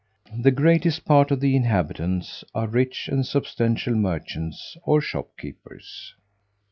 The greatest part of the inhabitants are rich and substantial merchants or shopkeepers.